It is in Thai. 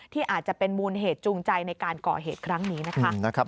ที่อาจจะเป็นมูลเหตุจูงใจในการก่อเหตุครั้งนี้นะคะ